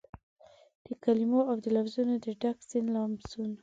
دکلمو اودلفظونو دډک سیند لامبوزن